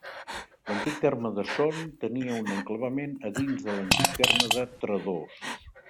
L'antic terme de Son tenia un enclavament a dins de l'antic terme de Tredòs.